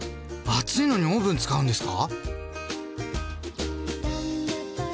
暑いのにオーブン使うんですか？